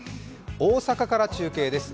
大阪から中継です。